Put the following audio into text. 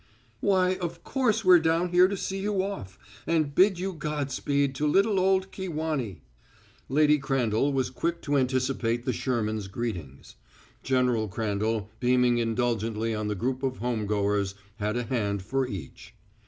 "Why, of course we're down here to see you off and bid you Godspeed to little old Kewanee!" Lady Crandall was quick to anticipate the Shermans' greetings. General Crandall, beaming indulgently on the group of homegoers, had a hand for each.